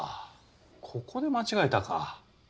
ここで間違えたか。